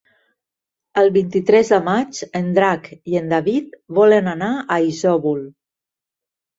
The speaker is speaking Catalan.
El vint-i-tres de maig en Drac i en David volen anar a Isòvol.